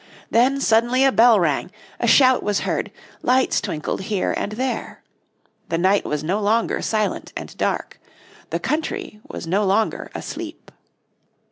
Then suddenly a bell rang, a shout was heard, lights twinkled here and there. The night was no longer silent and dark. The country was no longer asleep.